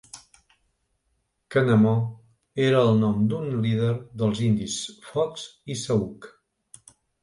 Quenemo era el nom d'un líder dels indis fox i sauk.